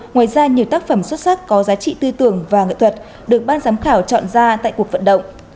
ngoài ra nhiều tác phẩm xuất sắc có giá trị tư tưởng và nghệ thuật được ban giám khảo chọn ra tại cuộc vận động